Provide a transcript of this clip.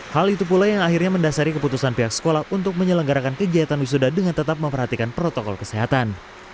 hal itu pula yang akhirnya mendasari keputusan pihak sekolah untuk menyelenggarakan kegiatan wisuda dengan tetap memperhatikan protokol kesehatan